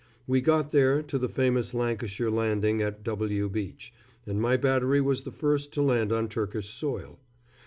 We got there, to the famous Lancashire Landing at W Beach, and my battery was the first to land on Turkish soil.